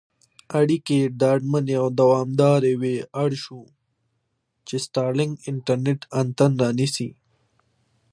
اړیکې ډاډمنې او دوامدارې وي اړ شو، چې سټارلېنک انټرنېټ انتن رانیسي.